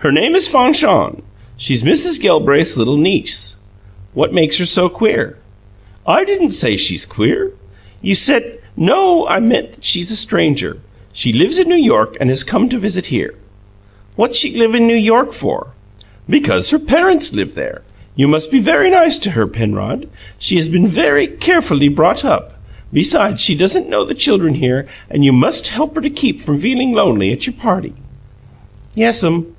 "Her name is Fanchon. She's Mrs. Gelbraith's little niece." "What makes her so queer?" "I didn't say she's queer." "You said " "No; I mean that she is a stranger. She lives in New York and has come to visit here." "What's she live in New York for?" "Because her parents live there. You must be very nice to her, Penrod; she has been very carefully brought up. Besides, she doesn't know the children here, and you must help to keep her from feeling lonely at your party." "Yes'm."